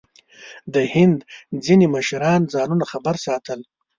د هند ځینې مشران ځانونه خبر ساتل.